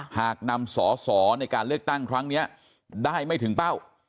หากนำสอสอในการเลือกตั้งครั้งนี้ได้ไม่ถึงเป้า